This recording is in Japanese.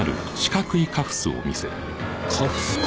カフスか。